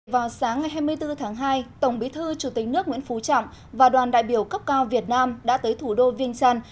vào sáng ngày hai mươi bốn tháng hai tổng bí thư chủ tịch nước nguyễn phú trọng và đoàn đại biểu cấp cao việt nam đã tới thủ đô viên trăn